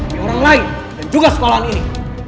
biar orang lain dan juga sekolahan ini